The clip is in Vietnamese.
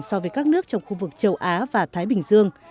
so với các nước trong khu vực châu á và thái bình dương